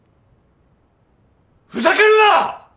ふざけるな！